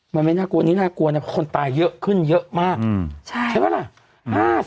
มันไม่น่ากลัวนี้น่ากลัวนะเพราะคนตายเยอะขึ้นเยอะมากใช่ไหมล่ะ